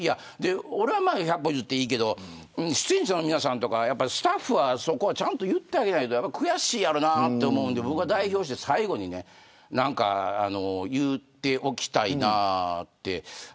俺は百歩譲っていいけど出演者の皆さんとか、スタッフはそこはちゃんと言ってあげないと悔しいやろうなと思うので代表して最後に言っておきたいなと。